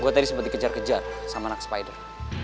gue tadi sempat dikejar kejar sama anak spider